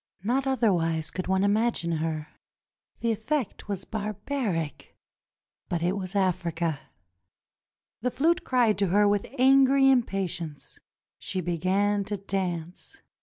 Not otherwise could one imagine her; the effect was barbaric — but it was Africa. The flute cried to her with angry impatience. She began to dance.